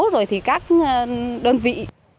rồi thì các đơn vị